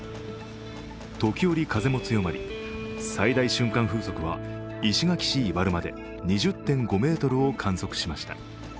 時折風も強まり、最大瞬間風速は石垣市伊原間で２０．５メートルを観測しました。